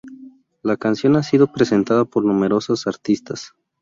La canción ha sido presentada por numerosos artistas.